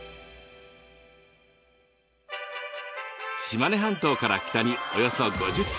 島根半島から北におよそ５０ｋｍ。